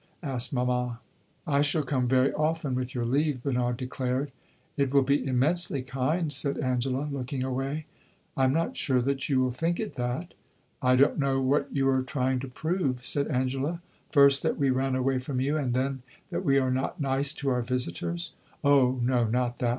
asked mamma. "I shall come very often, with your leave," Bernard declared. "It will be immensely kind," said Angela, looking away. "I am not sure that you will think it that." "I don't know what you are trying to prove," said Angela; "first that we ran away from you, and then that we are not nice to our visitors." "Oh no, not that!"